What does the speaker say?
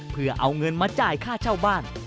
เพื่อเอาเงินมาจ่ายค่าเช่าบ้าน